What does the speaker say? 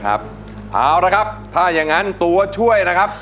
นะครับเอาละครับถ้ายังงั้นตัวช่วยนะครับ